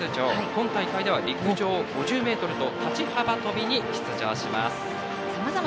今大会では陸上５０ｍと立ち幅跳びに出場します。